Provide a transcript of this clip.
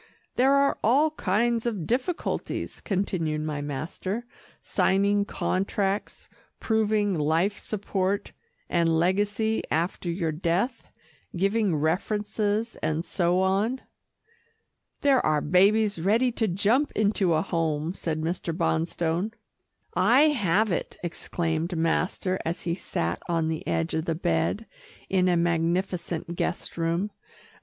"There are all kinds of difficulties," continued my master, "signing contracts, proving life support and legacy after your death, giving references and so on." "There are babies ready to jump into a home," said Mr. Bonstone. "I have it," exclaimed master as he sat on the edge of the bed, in a magnificent guest room.